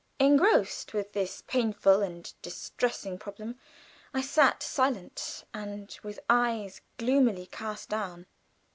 Engrossed with this painful and distressing problem, I sat silent, and with eyes gloomily cast down.